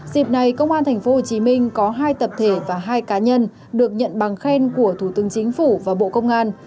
dịp này công an tp hcm có hai tập thể và hai cá nhân được nhận bằng khen của thủ tướng chính phủ và bộ công an